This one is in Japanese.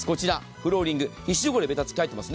フローリング皮脂汚れ、べたつき書いてます。